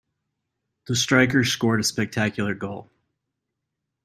The striker scored a spectacular goal.